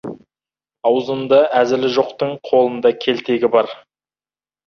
Аузында әзілі жоқтың қолында келтегі бар.